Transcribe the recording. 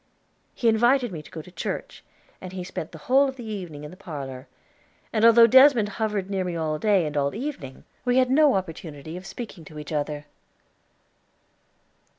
He invited me to go to church, and he spent the whole of the evening in the parlor; and although Desmond hovered near me all day and all the evening, we had no opportunity of speaking to each other.